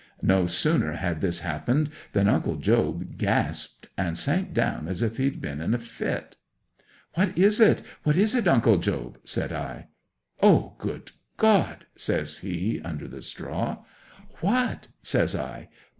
No sooner had this happened than Uncle Job gasped, and sank down as if he'd been in a fit. '"What is it—what is it, Uncle Job?" said I. '"O good God!" says he, under the straw. '"What?" says I.